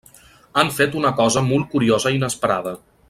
Han fet una cosa molt curiosa i inesperada.